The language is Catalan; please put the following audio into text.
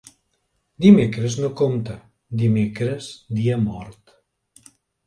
Dimecres no compta; dimecres, dia mort.